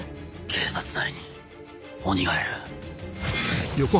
警察内に鬼がいる。